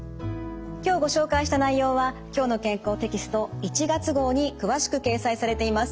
今日ご紹介した内容は「きょうの健康」テキスト１月号に詳しく掲載されています。